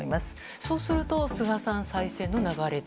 そうすると菅さん再選の流れと？